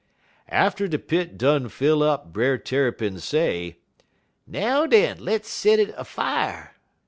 "Atter de pit done fill up, Brer Tarrypin say: "'Now, den, less set it a fier.'